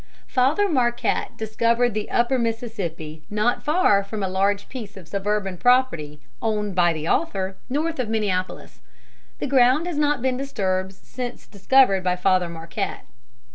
[Illustration: CONVERTING INDIANS.] Father Marquette discovered the Upper Mississippi not far from a large piece of suburban property owned by the author, north of Minneapolis. The ground has not been disturbed since discovered by Father Marquette.